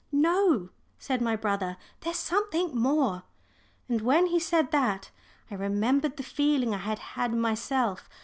"No," said my brother, "there's something more." And when he said that, I remembered the feeling I had had myself.